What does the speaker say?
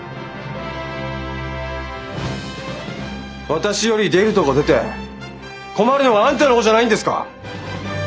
私より出るとこ出て困るのはあんたの方じゃないんですか？